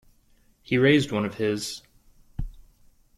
He raised one of his.